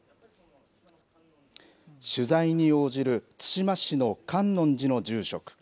取材に応じる対馬市の観音寺の住職。